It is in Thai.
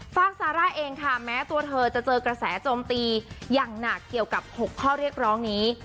ฝากซาร่าเองค่ะแม้ตัวเธอจะเจอกระแสโจมตีอย่างหนักเกี่ยวกับ๖ข้อเรียกร้องนี้